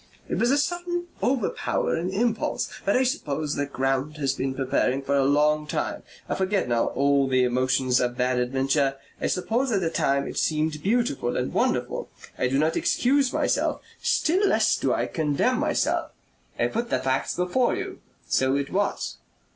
It was a sudden overpowering impulse. But I suppose the ground had been preparing for a long time. I forget now all the emotions of that adventure. I suppose at the time it seemed beautiful and wonderful.... I do not excuse myself. Still less do I condemn myself. I put the facts before you. So it was."